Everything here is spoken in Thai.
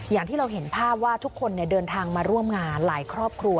อย่างที่เราเห็นภาพว่าทุกคนเดินทางมาร่วมงานหลายครอบครัว